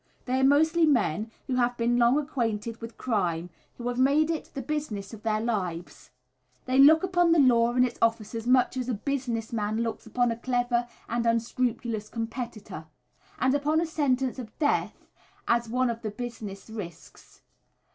They are mostly men who have been long acquainted with crime, who have made it the business of their lives. They look upon the law and its officers much as a business man looks upon a clever and unscrupulous competitor; and upon a sentence of death as one of the business risks.